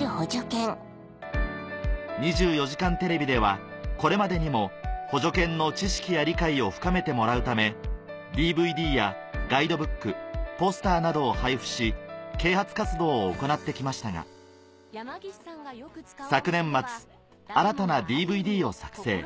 『２４時間テレビ』ではこれまでにも補助犬の知識や理解を深めてもらうためＤＶＤやガイドブックポスターなどを配布し啓発活動を行ってきましたが昨年末新たなＤＶＤを作成